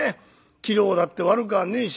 器量だって悪かねえし。